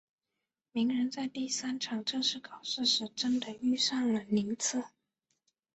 鸣人在第三场正式考试时真的遇上了宁次。